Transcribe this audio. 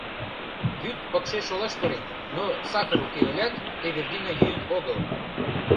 Вӱд пыкше шолаш пурен, но сакыр уке ылят, Эвердина йӱын огыл.